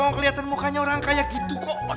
loh keliatan mukanya orang kaya gitu kok